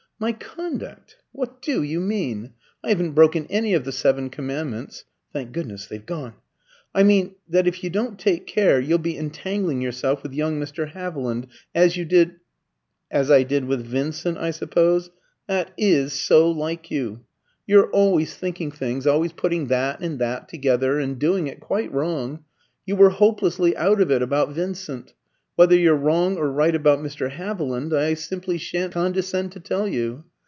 "My conduct! What do you mean? I haven't broken any of the seven commandments. (Thank goodness, they've gone!)" "I mean that if you don't take care you'll be entangling yourself with young Mr. Haviland, as you did " "As I did with Vincent, I suppose. That is so like you. You're always thinking things, always putting that and that together, and doing it quite wrong. You were hopelessly out of it about Vincent. Whether you're wrong or right about Mr. Haviland, I simply shan't condescend to tell you."